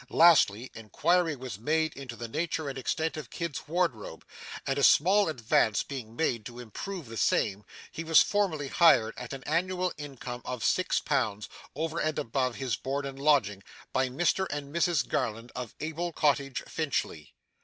Lastly, inquiry was made into the nature and extent of Kit's wardrobe, and a small advance being made to improve the same, he was formally hired at an annual income of Six Pounds, over and above his board and lodging, by Mr and Mrs Garland, of Abel Cottage, Finchley.